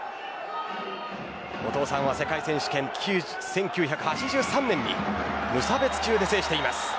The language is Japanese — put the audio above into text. お父さんは世界選手権１９８３年に無差別級で制しています。